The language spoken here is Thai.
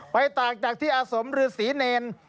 ไปต่างจากที่อสมหรือศรีเนร